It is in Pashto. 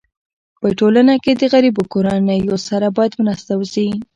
په ټولنه کي د غریبو کورنيو سره باید مرسته وسي.